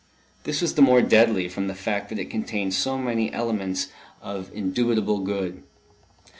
This was the more deadly from the fact that it contained so many elements of indubitable good.